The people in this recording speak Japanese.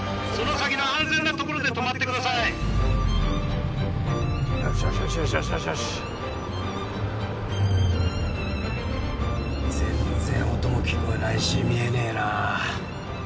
その先の安全なところで止まってくださいよしよしよしよしよしよしよし全然音も聞こえないし見えねえなあ